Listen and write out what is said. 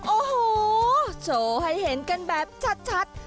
โอ้โหโชว์ให้เห็นกันแบบชัด